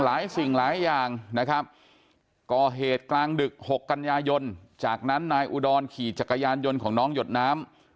สิ่งหลายอย่างนะครับก่อเหตุกลางดึก๖กันยายนจากนั้นนายอุดรขี่จักรยานยนต์ของน้องหยดน้ำ